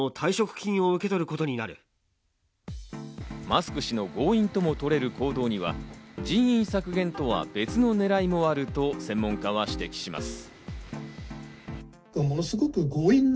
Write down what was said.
マスク氏の強引ともとれる行動には、人員削減とは別の狙いもあると専門家は指摘します。